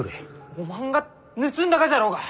おまんが盗んだがじゃろうが！